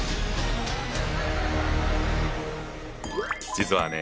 実はね